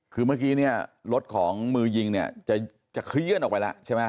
คือเมื่อกี้เนี่ยรถของมือยิงเนี่ยจะเคลื่อนออกไปแล้วใช่ไหม